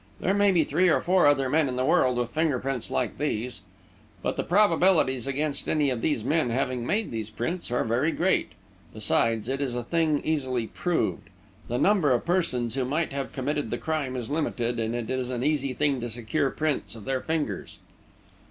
There may be three or four other men in the world with finger prints like these. But the probabilities against any of these men having made these prints are very great. Besides, it is a thing easily proved the number of persons who might have committed the crime is limited, and it is an easy thing to secure prints of their fingers."